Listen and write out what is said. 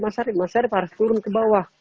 mas syarif harus turun ke bawah